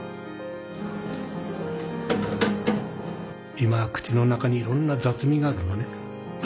今口の中にいろんなざつ味があるのね。